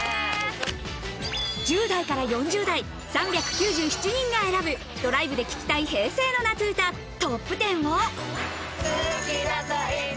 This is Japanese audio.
１０代から４０代、３９７人が選ぶ、ドライブで聴きたい平成の夏歌トップ１０を。